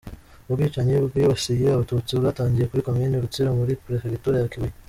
Ubwicanyi bwibasiye Abatutsi bwatangiye muri Komini Rutsiro muri Perefegitura ya Kibuye.